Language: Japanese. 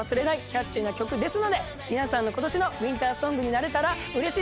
キャッチーな曲ですので皆さんの今年のウインターソングになれたらうれしいです。